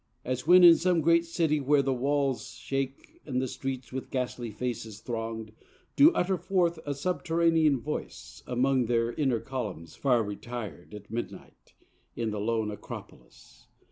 As when in some great City where the walls Shake, and the streets with ghastly faces throng'd Do utter forth a subterranean voice, Among the inner columns far retir'd At midnight, in the lone Acropolis.